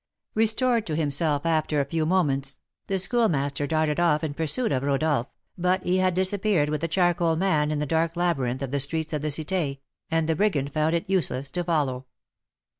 Restored to himself after a few moments, the Schoolmaster darted off in pursuit of Rodolph, but he had disappeared with the charcoal man in the dark labyrinth of the streets of the Cité, and the brigand found it useless to follow.